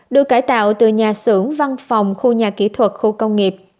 được cải tạo từ nhà xưởng văn phòng khu nhà kỹ thuật khu công nghiệp